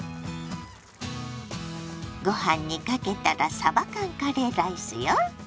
ご飯にかけたらさば缶カレーライスよ。